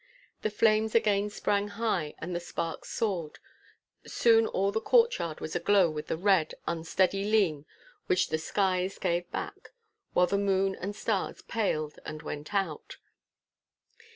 The flames again sprang high and the sparks soared. Soon all the courtyard was aglow with the red, unsteady leme which the skies gave back, while the moon and stars paled and went out.